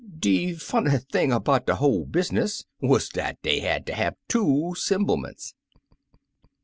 De funny thing 'bout de whole business wuz dat dey had ter have two 'semble ments."